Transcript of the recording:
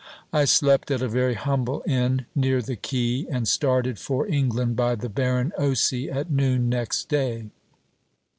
I slept at a very humble inn near the quay, and started for England by the Baron Osy at noon next day.